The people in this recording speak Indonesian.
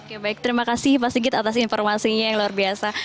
oke baik terima kasih pak sigit atas informasinya yang luar biasa